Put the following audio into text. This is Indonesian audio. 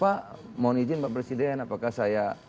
pak mohon izin pak presiden apakah saya